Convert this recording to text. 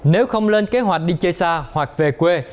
nếu không lên kế hoạch đi chơi xa hoặc về quê